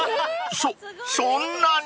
［そそんなに！？］